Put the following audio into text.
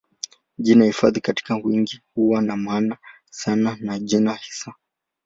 Jina hifadhi katika wingi huwa na maana sawa na jina hisa.